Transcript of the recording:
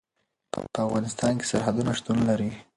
په افغانستان کې سرحدونه شتون لري.